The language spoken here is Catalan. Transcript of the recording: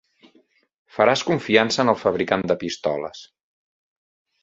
Faràs confiança en el fabricant de pistoles.